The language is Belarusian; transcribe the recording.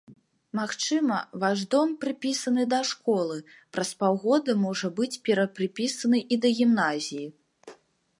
Магчыма, ваш дом, прыпісаны да школы, праз паўгода можа быць перапрыпісаны і да гімназіі.